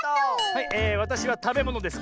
はいわたしはたべものですか？